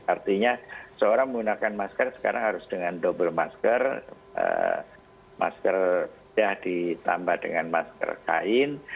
artinya seorang menggunakan masker sekarang harus dengan double masker masker sudah ditambah dengan masker kain